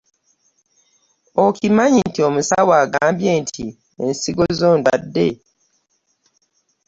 Okimanyi nti omusawo agambye nti ensigo zo ndwadde.